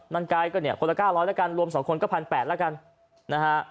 นางกายก็เนี่ยคนละ๙๐๐ละกันรวมสองคนก็๑๘๐๐ละกันนะฮะ